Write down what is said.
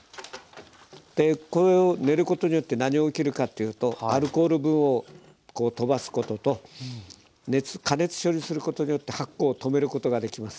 でこれを練ることによって何が起きるかっていうとアルコール分を飛ばすことと加熱処理することによって発酵を止めることができます。